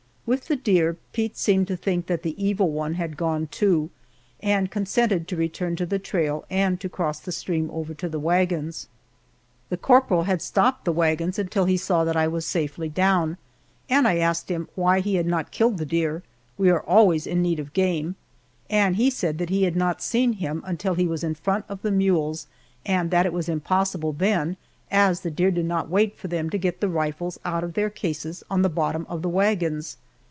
With the deer, Pete seemed to think that the Evil One had gone, too, and consented to return to the trail and to cross the stream over to the wagons. The corporal had stopped the wagons until he saw that I was safely down, and I asked him why he had not killed the deer we are always in need of game and he said that he had not seen him until he was in front of the mules, and that it was impossible then, as the deer did not wait for them to get the rifles out of their cases on the bottom of the wagons.